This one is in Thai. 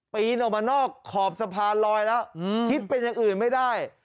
ปีนออกมานอกขอบสะพานลอยแล้วคิดเป็นอย่างอื่นไม่ได้